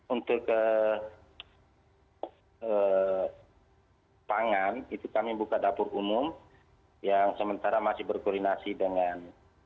untuk ke pangan itu kami buka dapur umum yang sementara masih berkoordinasi dengan